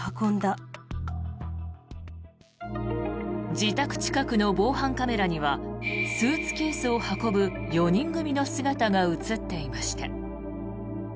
自宅近くの防犯カメラにはスーツケースを運ぶ４人組の姿が映っていました。